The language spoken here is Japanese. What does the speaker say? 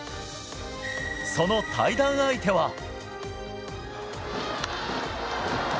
その対談相手は。